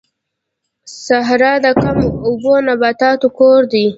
صحرا د کم اوبو نباتاتو کور دی